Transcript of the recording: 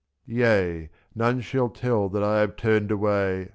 Yea, none shall tell that I have turned away.